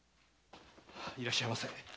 いらっしゃいませ。